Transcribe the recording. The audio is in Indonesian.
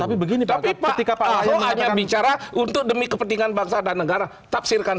tapi begini tapi pake kepoa yang bicara untuk demi kepentingan bangsa dan negara tapsirkan